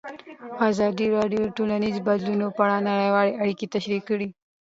ازادي راډیو د ټولنیز بدلون په اړه نړیوالې اړیکې تشریح کړي.